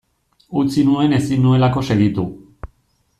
Utzi nuen ezin nuelako segitu.